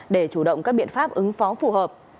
để chủ động các biện pháp ứng phó phù hợp